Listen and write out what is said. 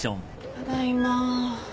ただいま。